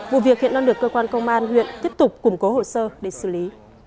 vụ việc hiện đang được cơ quan công an huyện tiếp tục củng cố hồ sơ để xử lý